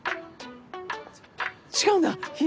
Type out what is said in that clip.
違うんだ柊。